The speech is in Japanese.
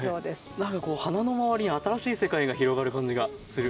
何か鼻の周りに新しい世界が広がる感じがする。